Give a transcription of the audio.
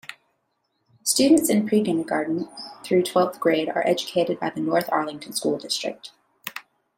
Students in pre-kindergarten through twelfth grade are educated by the North Arlington School District.